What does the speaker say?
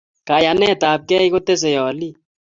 Kayanetab gei kotesei olik